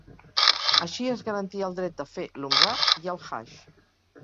Així es garantia el dret de fer l'Umrah i el Hajj.